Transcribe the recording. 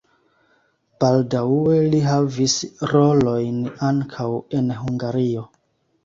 Baldaŭe li havis rolojn ankaŭ en Hungario.